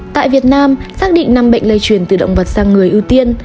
tại việt nam xác định năm bệnh lây truyền từ động vật sang người ưu tiên